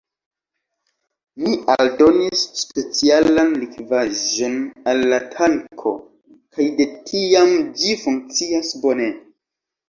Mi aldonis specialan likvaĵon al la tanko, kaj de tiam ĝi funkcias bone.